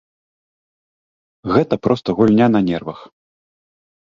Гэта проста гульня на нервах.